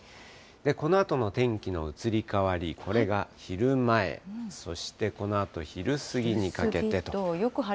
このあとの天気の移り変わり、これが昼前、そしてこのあと、昼過ぎにかけてと。